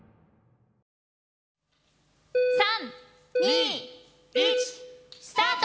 ３・２・１スタート！